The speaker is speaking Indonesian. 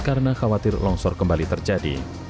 karena khawatir longsor kembali terjadi